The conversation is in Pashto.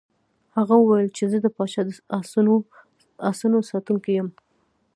هغه وویل چې زه د پاچا د آسونو ساتونکی یم.